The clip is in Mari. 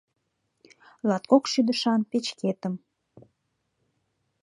Латкок шӱдышан печкетым